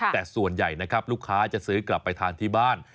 แต่ส่วนใหญ่นะครับลูกค้าจะซื้อกลับไปทานที่บ้าน